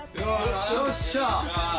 よっしゃー！